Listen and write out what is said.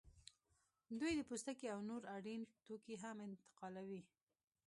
دوی د پوستکي او نور اړین توکي هم انتقالوي